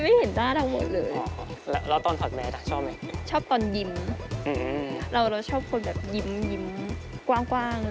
เพราะว่าใส่แม็กซ์ข้างล่าง